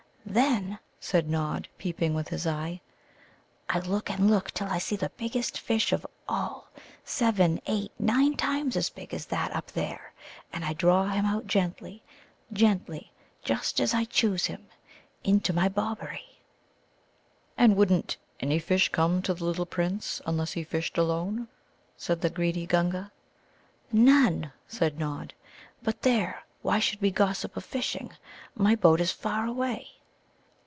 "Then," said Nod, peeping with his eye, "I look and I look till I see the biggest fish of all seven, eight, nine times as big as that up there, and I draw him out gently, gently, just as I choose him, into my Bobberie." "And wouldn't any fish come to the little Prince unless he fished alone?" said the greedy Gunga. "None," said Nod. "But there, why should we be gossiping of fishing? My boat is far away."